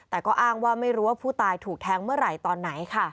แต่ก็อ้างว่าไม่รู้ว่าผู้ตายถูกแทงเมื่อไหร่ตอนไหนค่ะ